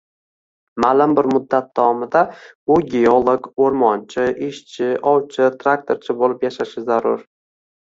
Maʼlum bir muddat davomida u geolog, oʻrmonchi, ishchi, ovchi, traktorchi boʻlib yashashi zarur